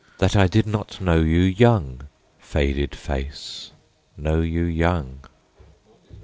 — That I did not know you young, Faded Face, Know you young!